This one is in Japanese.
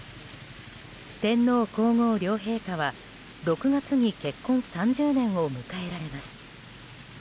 天皇・皇后両陛下は６月に結婚３０年を迎えられます。